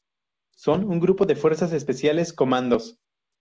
Son un grupo de fuerzas especiales, comandos.